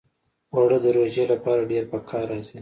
اوړه د روژې لپاره ډېر پکار راځي